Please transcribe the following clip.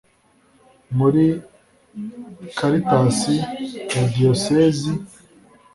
muri caritas ya diyosezi